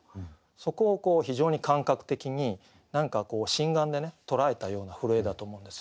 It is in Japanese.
そこを非常に感覚的に何かこう心眼でね捉えたような震えだと思うんですよ。